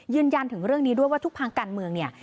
ยืนยันถึงเรื่องนี้ด้วยว่าทุกภาคการเมืองเนี่ย